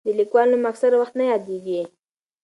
د لیکوال نوم اکثره وخت نه یادېږي.